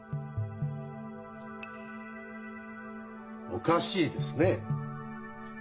おかしいですね。